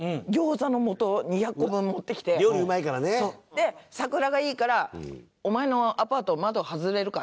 で桜がいいから「お前のアパート窓外れるか？」